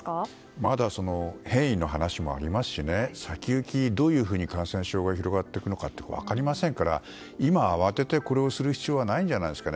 まだ変異の話もありますしどういうふうに感染症が広がっていくのか分かりませんから今慌ててこれをする必要はないんじゃないですかね。